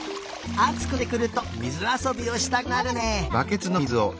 あつくなってくるとみずあそびをしたくなるね。